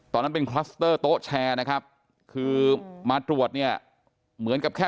ตอนนั้นเป็นคลัสเตอร์โต๊ะแชร์นะครับคือมาตรวจเนี่ยเหมือนกับแค่